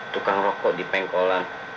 tukang rokok di pengkolan